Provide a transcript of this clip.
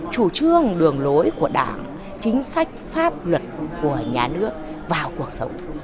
chủ trương đường lối của đảng chính sách pháp luật của nhà nước vào cuộc sống